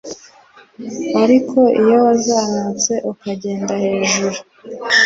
ariko iyo wazamutse ukagera hejuru